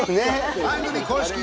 番組公式